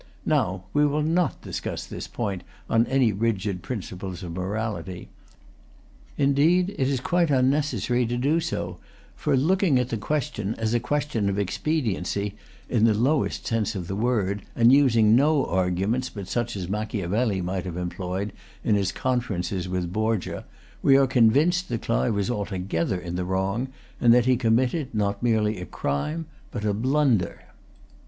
Now, we will not discus this point on any rigid principles of morality. Indeed, it is quite unnecessary to do so for, looking at the question as a question of expediency in the lowest sense of the word, and using no arguments but such as Machiavelli might have employed in his conferences with Borgia, we are convinced that Clive was altogether in the wrong, and that he committed, not merely a crime, but a blunder.